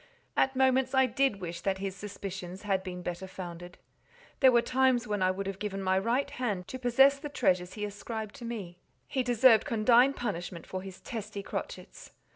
At moments I did wish that his suspicions had been better founded. There were times when I would have given my right hand to possess the treasures he ascribed to me. He deserved condign punishment for his testy crotchets.